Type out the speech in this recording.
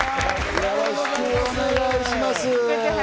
よろしくお願いします。